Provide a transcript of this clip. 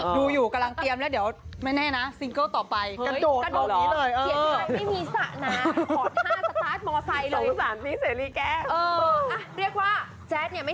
ดูอยู่กำลังเตรียมแล้วเดี๋ยวไม่แน่นะซิงเกิลต่อไป